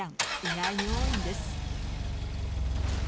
意外に多いんです。